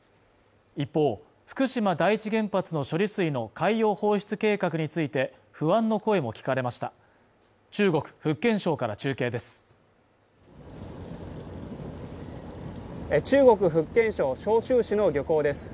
一方福島第一原発の処理水の海洋放出計画について不安の声も聞かれました中国・福建省から中継です中国・福建省ショウ州市の漁港です